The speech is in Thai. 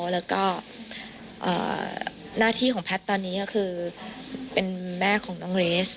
แล้วก็หน้าที่ของแพทย์ตอนนี้ก็คือเป็นแม่ของน้องเรส